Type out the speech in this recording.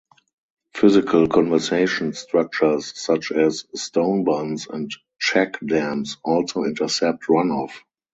Physical conservation structures such as stone bunds and check dams also intercept runoff.